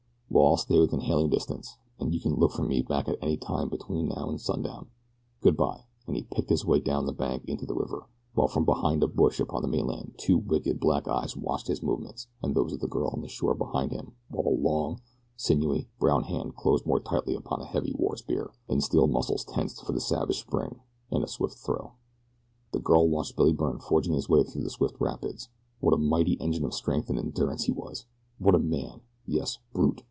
"Well, I'll stay within hailing distance, and you can look for me back any time between now and sundown. Good bye," and he picked his way down the bank into the river, while from behind a bush upon the mainland two wicked, black eyes watched his movements and those of the girl on the shore behind him while a long, sinewy, brown hand closed more tightly upon a heavy war spear, and steel muscles tensed for the savage spring and the swift throw. The girl watched Billy Byrne forging his way through the swift rapids. What a mighty engine of strength and endurance he was! What a man! Yes, brute!